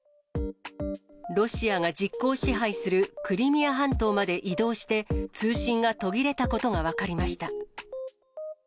ロシアが実効支配するクリミア半島まで移動して、通信が途切れたことが分かりました。